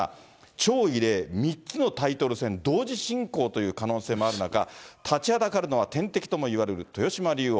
超異例、３つのタイトル戦同時進行という可能性もある中、立ちはだかるのは天敵ともいわれる豊島竜王。